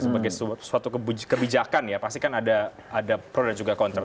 sebagai suatu kebijakan ya pasti kan ada pro dan juga kontra